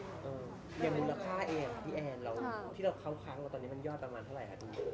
อย่างนึงค่าเองค่ะพี่แอนที่เราเข้าครั้งตอนนี้มันยอดประมาณเท่าไหร่ค่ะพี่